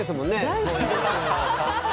大好きです。